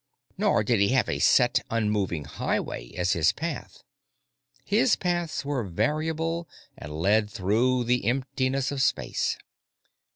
Nor did he have a set, unmoving highway as his path; his paths were variable and led through the emptiness of space.